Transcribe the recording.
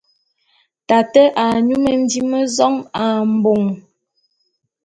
Tate a nyú mendím mé zong ā mbong.